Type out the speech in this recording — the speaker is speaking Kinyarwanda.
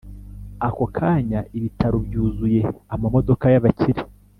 ako kanya ibitaro byuzuye amamodoka yabakire